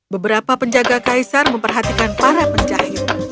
beberapa penjaga kaisar memperhatikan para penjahit